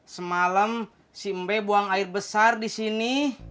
semalam si mbe buang air besar disini